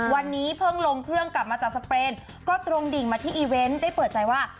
วันนี้เพิ่งลงเครื่องกลับมาจากสเปนก็ตรงดิ่งมาที่อีเวนต์ได้เปิดใจว่า